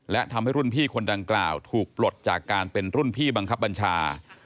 และทำให้รุ่นพี่คนดังกล่าวถูกปลดจากการเป็นรุ่นพี่บังคับบัญชา